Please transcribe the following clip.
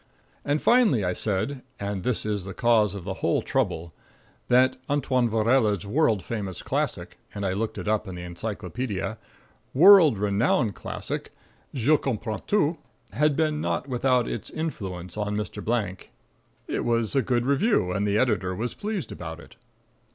And finally I said (and this is the cause of the whole trouble) that Antoine Vaurelle's world famous classic and I looked it up in the encyclopedia world renowned classic, "Je Comprends Tout," had been not without its influence on Mr. Blank. It was a good review, and the editor was pleased about it.